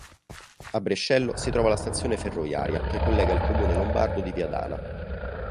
A Brescello, si trova la stazione ferroviaria, che collega il comune lombardo di Viadana.